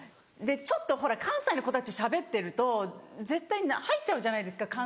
ちょっとほら関西の子たちしゃべってると絶対入っちゃうじゃないですか